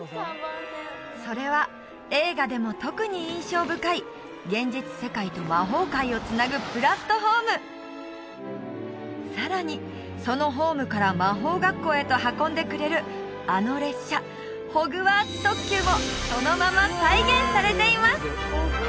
それは映画でも特に印象深い現実世界と魔法界をつなぐプラットホームさらにそのホームから魔法学校へと運んでくれるあの列車ホグワーツ特急もそのまま再現されています！